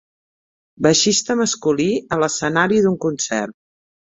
Baixista masculí a l'escenari d'un concert